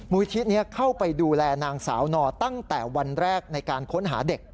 ที่นี้เข้าไปดูแลนางสาวนอตั้งแต่วันแรกในการค้นหาเด็ก